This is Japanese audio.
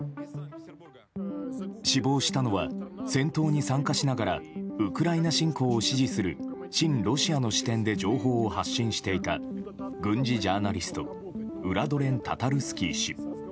死亡したのは戦闘に参加しながらウクライナ侵攻を支持する親ロシアの視点で情報を発信していた軍事ジャーナリストウラドレン・タタルスキー氏。